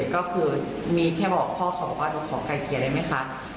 ก็คือพ่อเกลียร์ได้ไหมคะ